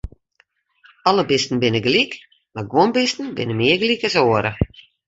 Alle bisten binne gelyk, mar guon bisten binne mear gelyk as oare.